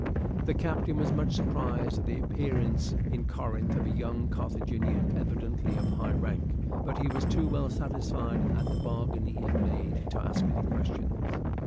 The captain was much surprised at the appearance in Corinth of a young Carthaginian evidently of high rank, but he was too well satisfied at the bargain he had made to ask any questions.